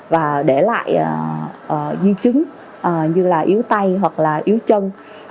và để lại di chứng như là yếu tay hoặc là yếu chân